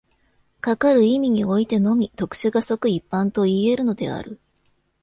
かかる意味においてのみ、特殊が即一般といい得るのである。